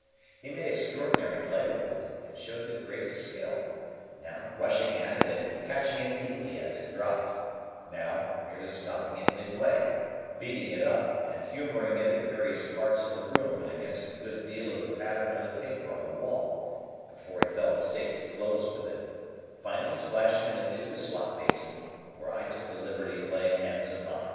He made extraordinary play with it, and showed the greatest skill; now, rushing at it and catching it neatly as it dropped; now, merely stopping it midway, beating it up, and humouring it in various parts of the room and against a good deal of the pattern of the paper on the wall, before he felt it safe to close with it; finally splashing it into the slop basin, where I took the liberty of laying hands upon it.